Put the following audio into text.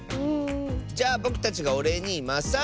じゃあぼくたちがおれいにマッサージしてあげよう！